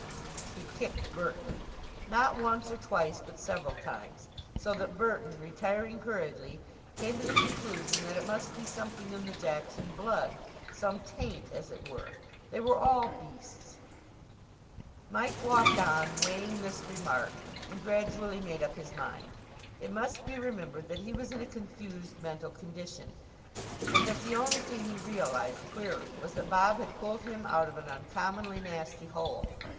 He kicked Burton. Not once or twice, but several times, so that Burton, retiring hurriedly, came to the conclusion that it must be something in the Jackson blood, some taint, as it were. They were all beasts. Mike walked on, weighing this remark, and gradually made up his mind. It must be remembered that he was in a confused mental condition, and that the only thing he realised clearly was that Bob had pulled him out of an uncommonly nasty hole.